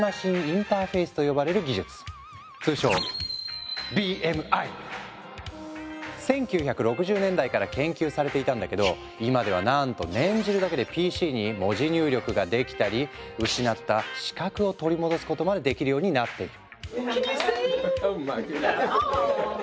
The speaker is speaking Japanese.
通称１９６０年代から研究されていたんだけど今ではなんと念じるだけでＰＣに文字入力ができたり失った視覚を取り戻すことまでできるようになっている。